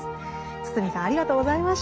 堤さんありがとうございました。